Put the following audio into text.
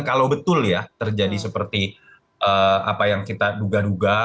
kalau betul ya terjadi seperti apa yang kita duga duga